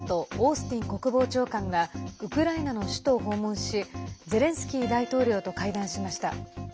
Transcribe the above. アメリカのブリンケン国務長官とオースティン国防長官がウクライナの首都を訪問しゼレンスキー大統領と会談しました。